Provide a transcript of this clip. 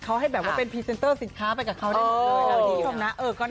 เขาให้แบบว่าเป็นพรีเซนเตอร์สินค้าไปกับเขา